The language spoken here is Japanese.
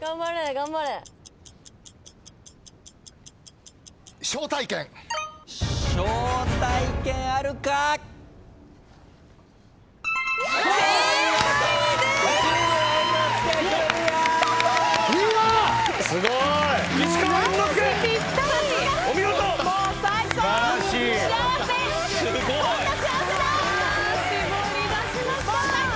絞り出しました。